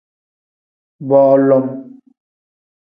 Bolom.